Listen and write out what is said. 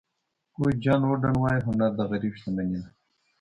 کوچ جان ووډن وایي هنر د غریب شتمني ده.